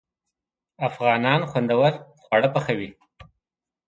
افغانان خوندور خواړه پخوي.